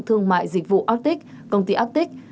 thương mại dịch vụ arctic công ty arctic